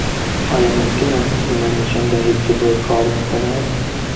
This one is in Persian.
آیا ممکن است به من نشان دهید چطور کار می کند؟